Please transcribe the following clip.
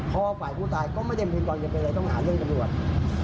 พอฝ่ายผู้ตายก็ไม่ได้เป็นต้องหาเรื่องตำรวจ